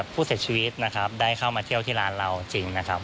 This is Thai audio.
ผู้เสียชีวิตนะครับได้เข้ามาเที่ยวที่ร้านเราจริงนะครับ